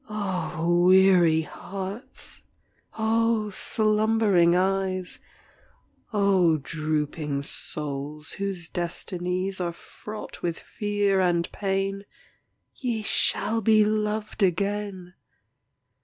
O weary hearts! O slumbering eyes! O drooping souls, whose destinies Are fraught with fear and pain, Ye shall be loved again!